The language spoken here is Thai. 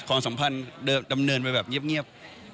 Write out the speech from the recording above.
ความสำคัญดำเนินไปแบบเงียบ